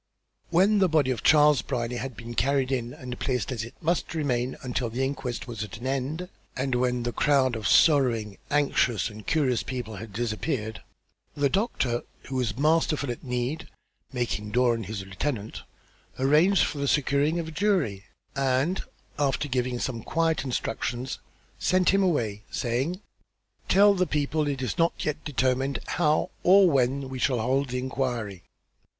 When the body of Charles Brierly had been carried in and placed as it must remain until the inquest was at an end, and when the crowd of sorrowing, anxious and curious people had dispersed, the doctor, who was masterful at need, making Doran his lieutenant, arranged for the securing of a jury; and, after giving some quiet instructions, sent him away, saying: "Tell the people it is not yet determined how or when we shall hold the inquiry.